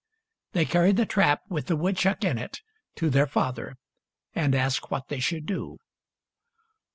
They carried the trap, with the woodchuck in it, to their father, and asked what they should do.